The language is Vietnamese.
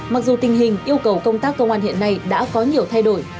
mặc dù tình hình yêu cầu công tác công an hiện nay đã có nhiều thay đổi